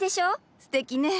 すてきね。